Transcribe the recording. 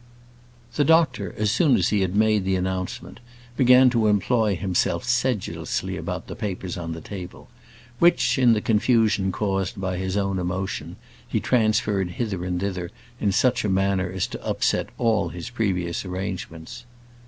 The doctor, as soon as he made the announcement, began to employ himself sedulously about the papers on the table; which, in the confusion caused by his own emotion, he transferred hither and thither in such a manner as to upset all his previous arrangements.